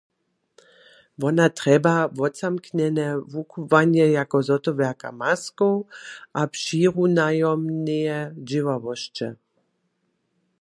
Wona trjeba wotzamknjene wukubłanje jako zhotowjerka maskow abo přirunajomneje dźěławosće.